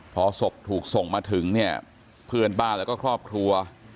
พอศพถูกส่งมาถึงเนี่ยเพื่อนบ้านแล้วก็ครอบครัว